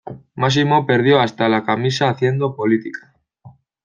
Máximo perdió hasta la camisa, haciendo política.